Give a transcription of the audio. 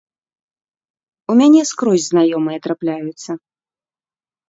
У мяне скрозь знаёмыя трапляюцца.